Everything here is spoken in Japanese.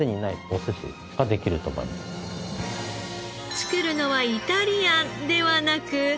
作るのはイタリアンではなく。